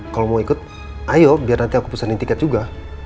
kalau mau ikut ayo biar nanti aku pesanin tiket juga